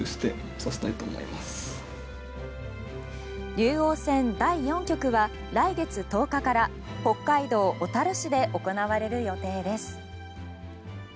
竜王戦第４局は来月１０日から北海道小樽市で行われる予定です。